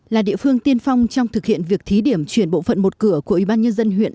là địa phương tiên phong trong thực hiện việc thí điểm chuyển bộ phận một cửa của ủy ban nhân dân huyện